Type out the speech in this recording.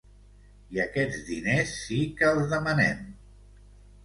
I aquests diners sí que els demanem.